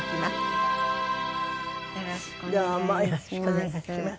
よろしくお願いします。